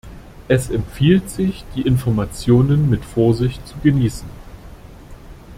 Es empfiehlt sich, die Informationen mit Vorsicht zu genießen.